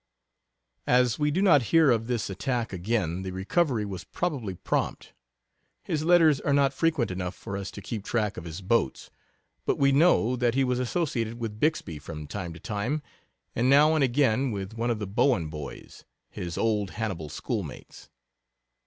As we do not hear of this "attack" again, the recovery was probably prompt. His letters are not frequent enough for us to keep track of his boats, but we know that he was associated with Bixby from time to time, and now and again with one of the Bowen boys, his old Hannibal schoolmates.